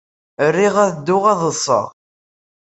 Riɣ ad dduɣ ad ḍḍseɣ.